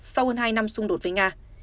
sau hơn hai năm xung đột với nga